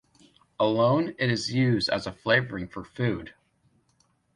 Alone, it is used as a flavoring for food.